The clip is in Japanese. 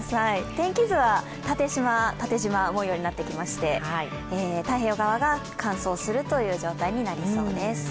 天気図は縦じま模様になってきまして、太平洋側が乾燥するという状態になりそうです。